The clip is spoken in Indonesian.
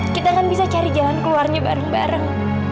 kita kan bisa cari jalan keluarnya bareng bareng